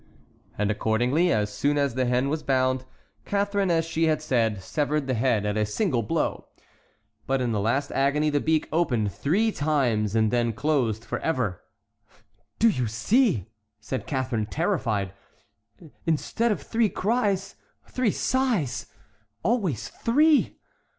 And accordingly, as soon as the hen was bound, Catharine, as she had said, severed the head at a single blow; but in the last agony the beak opened three times, and then closed forever. "Do you see," said Catharine, terrified, "instead of three cries, three sighs? Always three!